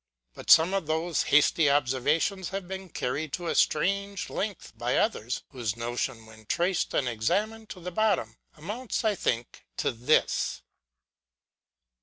^ But some of those hasty observations have been carried to a strange length by others ; whose notion, when traced and examined to the bottom, amounts, I think, to this